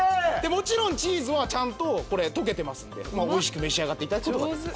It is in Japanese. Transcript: もちろんチーズはちゃんとこれ溶けてますんでおいしく召し上がっていただくことができる。